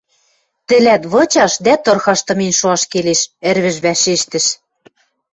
— Тӹлӓт вычаш дӓ тырхаш тымень шоаш келеш, — ӹрвӹж вӓшештӹш.